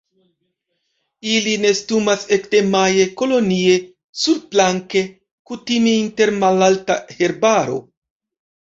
Ili nestumas ekde maje kolonie surplanke, kutime inter malalta herbaro.